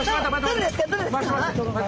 どれですか？